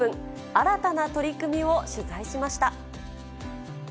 新たな取り組みを取材しました。